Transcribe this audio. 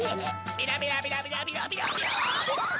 ビラビラビラビラビヨビヨビヨ。